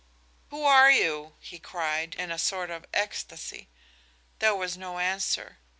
"Who are you?" he cried, in a sort of ecstacy. There was no answer.